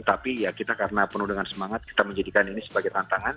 tapi ya kita karena penuh dengan semangat kita menjadikan ini sebagai tantangan